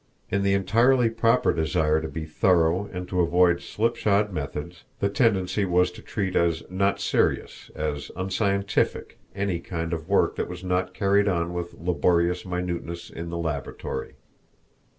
In the entirely proper desire to be thorough and to avoid slipshod methods, the tendency was to treat as not serious, as unscientific, any kind of work that was not carried on with laborious minuteness in the laboratory.